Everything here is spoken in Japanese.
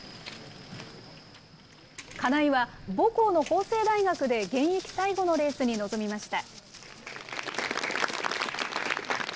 金井は母校の法政大学で、現役最後のレースに臨みました。